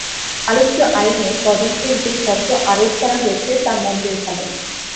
আলোচ্য আইনে তদন্তের যে শর্ত আরোপ করা হয়েছে, তা মন্দের ভালো।